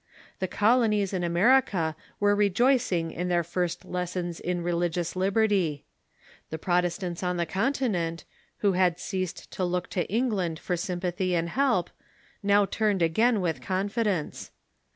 The colonies in America were rejoicing in their fir^t lessons in religious liberty. The Protestants on the Continent, who had ceased to look to England for sympathy and help, now turned again with confidence.